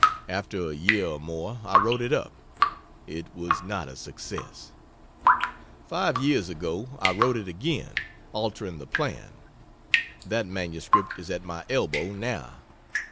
After a year or more I wrote it up. It was not a success. Five years ago I wrote it again, altering the plan. That MS is at my elbow now.